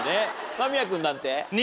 間宮君なんて？